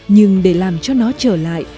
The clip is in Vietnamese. nhưng để làm cho nó trở lại